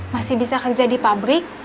masih bisa kerja di pabrik